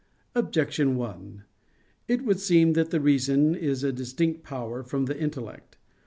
Objection 1: It would seem that the reason is a distinct power from the intellect.